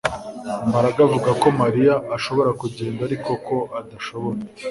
Mbaraga avuga ko Mariya ashobora kugenda ariko ko adashobora